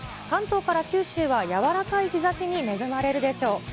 関東から九州は柔らかい日ざしに恵まれるでしょう。